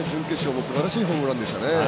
準決勝もすばらしいホームランでしたね。